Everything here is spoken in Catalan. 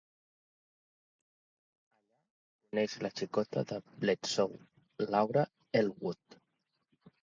Allà coneix la xicota de Bledsoe, Laura Elwood.